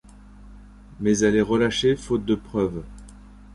Mais elle est relâchée faute de preuves.